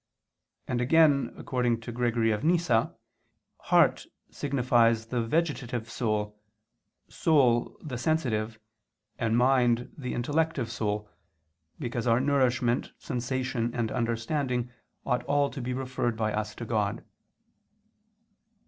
And again, according to Gregory of Nyssa (De Hom. Opif. viii), "heart" signifies the vegetative soul, "soul" the sensitive, and "mind" the intellective soul, because our nourishment, sensation, and understanding ought all to be referred by us to God.